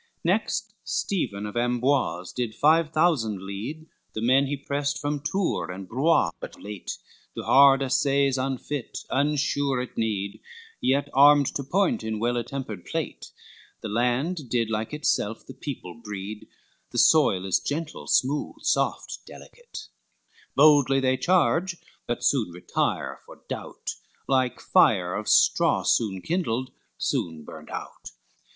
LXII Next Stephen of Amboise did five thousand lead, The men he prest from Tours and Blois but late, To hard assays unfit, unsure at need, Yet armed to point in well attempted plate, The land did like itself the people breed, The soil is gentle, smooth, soft, delicate; Boldly they charge, but soon retire for doubt, Like fire of straw, soon kindled, soon burnt out.